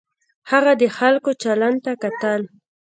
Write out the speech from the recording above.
هغه د خلکو چلند ته کتل.